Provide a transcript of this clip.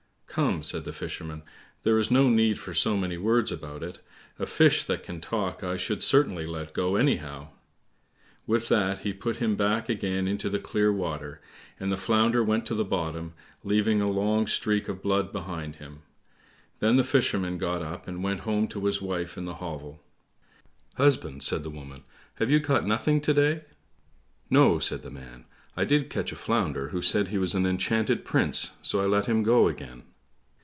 "Come," said the Fisherman, "there is no need for so many words about it—a fish that can talk I should certainly let go, anyhow," with that he put him back again into the clear water, and the Flounder went to the bottom, leaving a long streak of blood behind him. Then the Fisherman got up and went home to his wife in the hovel. "Husband," said the woman, "have you caught nothing to day?" "No," said the man, "I did catch a Flounder, who said he was an enchanted prince, so I let him go again."